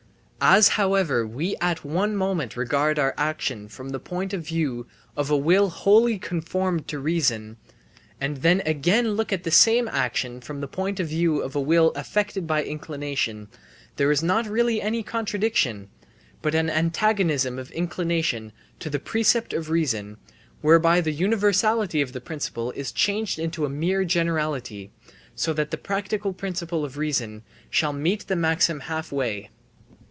As however we at one moment regard our action from the point of view of a will wholly conformed to reason, and then again look at the same action from the point of view of a will affected by inclination, there is not really any contradiction, but an antagonism of inclination to the precept of reason, whereby the universality of the principle is changed into a mere generality, so that the practical principle of reason shall meet the maxim half way.